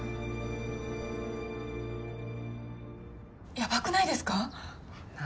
やばくないですか？